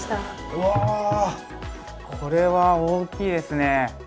うわー、これは大きいですね。